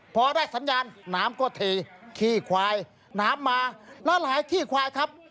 พอได้สัญญาณน้ำก็เทขี้ควายน้ำมาแล้วหลายขี้ควายครับ